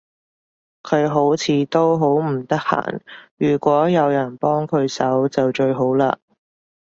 佢好似都好唔得閒，如果有人幫佢手就最好嘞